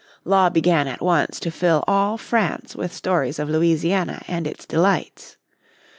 Law began at once to fill all France with stories of Louisiana and its delights.